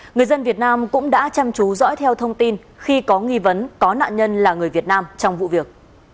người dân việt nam cũng đã chăm chú dõi theo thông tin khi có nghi vấn có nạn nhân là người việt nam trong vụ việc